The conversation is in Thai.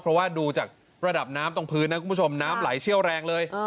เพราะว่าดูจากระดับน้ำตรงพื้นนะคุณผู้ชมน้ำไหลเชี่ยวแรงเลย